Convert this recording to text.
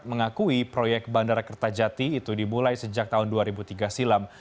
mengakui proyek bandara kertajati itu dimulai sejak tahun dua ribu tiga silam